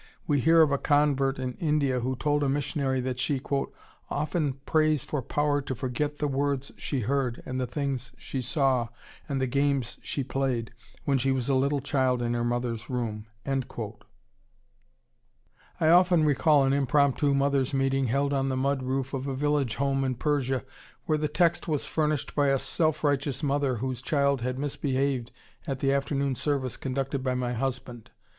We hear of a convert in India who told a missionary that she "often prays for power to forget the words she heard and the things she saw and the games she played when she was a little child in her mother's room." I often recall an impromptu mothers' meeting held on the mud roof of a village home in Persia, where the text was furnished by a self righteous mother whose child had misbehaved at the afternoon service conducted by my husband.